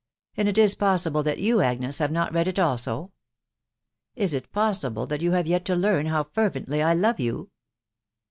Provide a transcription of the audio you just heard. ... And is it possible that youj Agnes, have not read it also ?.... Is it possible that you have yet to learn how fervently I love you